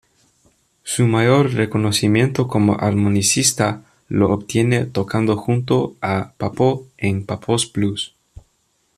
Su mayor reconocimiento como armonicista lo obtiene tocando junto a Pappo en Pappo's Blues.